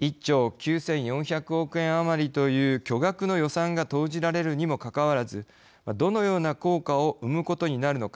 １兆９４００万円あまりという巨額の予算が費やされたにもかかわらずどのような効果を生むことになるのか。